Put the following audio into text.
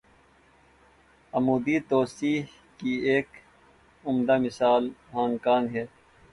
عمودی توسیع کی ایک عمدہ مثال ہانگ کانگ ہے۔